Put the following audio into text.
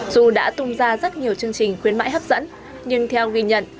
dù đã tung ra rất nhiều chương trình quyến mại hấp dẫn nhưng theo ghi nhận